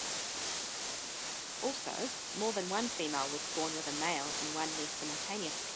Also, more than one female will spawn with a male in one nest simultaneously.